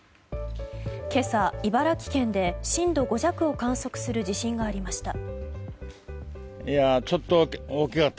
今朝、茨城県で震度５弱を観測する地震がありました。